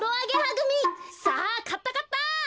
さあかったかった！